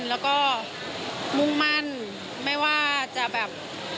แล้วก็มุ่งมั่นไม่ว่าจะแบบ